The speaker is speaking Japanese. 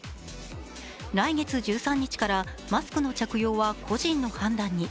来月１３日からマスクの着用は個人の判断に。